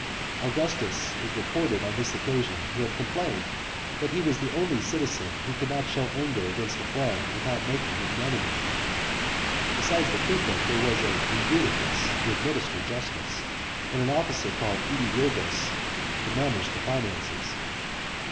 Augustus is reported on this occasion to have complained that he was the only citizen who could not show anger against a friend without making him an enemy. Besides the prefect tfcere was a iuridicus to administer justice, and an officer called idiologus to manage the finances.